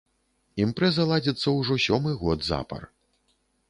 Імпрэза ладзіцца ўжо сёмы год запар.